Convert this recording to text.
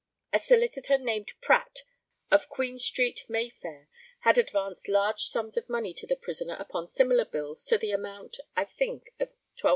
A solicitor named Pratt, of Queen street, Mayfair, had advanced large sums of money to the prisoner upon similar bills to the amount, I think of £12,500.